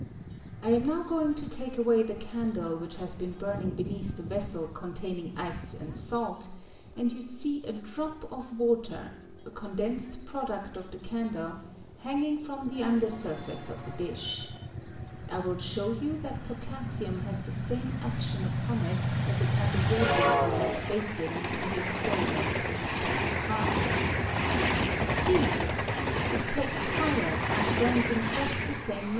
I am now going to take away the candle which has been burning beneath the vessel containing ice and salt, and you see a drop of water — a condensed product of the candle — hanging from the under surface of the dish. I will show you that potassium has the same action upon it as upon the water in that baain in the experiment we have just tried. I . dish. I wil ^^L same action ^^^B basin in thi J ^^■^man k. WATER FROM A CANDLE. 67 I it takes fire, and burns in just the same